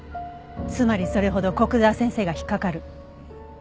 つまりそれほど古久沢先生が引っかかる。